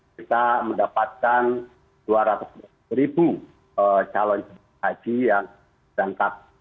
kita mendapatkan dua ratus ribu calon jemaah haji yang berangkat